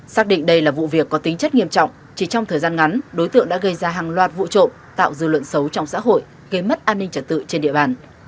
xác định đây là vụ việc có tính chất nghiêm trọng chỉ trong thời gian ngắn đối tượng đã gây ra hàng loạt vụ trộm tạo dư luận xấu trong xã hội gây mất an ninh trật tự trên địa bàn